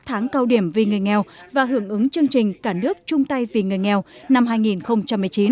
tháng cao điểm vì người nghèo và hưởng ứng chương trình cả nước chung tay vì người nghèo năm hai nghìn một mươi chín